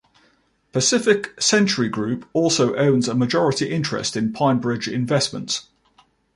Pacific Century Group also owns a majority interest in PineBridge Investments.